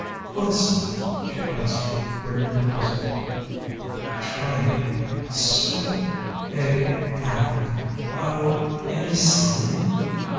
"What sign?" she asked, greatly puzzled. "A triangle; a circle; a a oh, any sign?"